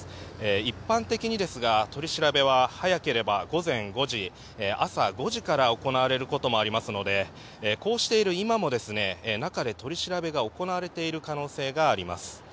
一般的にですが取り調べは早ければ午前５時朝５時から行われることもありますのでこうしている今も中で取り調べが行われている可能性があります。